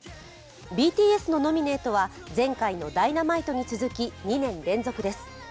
ＢＴＳのノミネートは前回の「Ｄｙｎａｍｉｔｅ」に続き２年連続です。